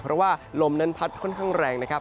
เพราะว่าลมนั้นพัดค่อนข้างแรงนะครับ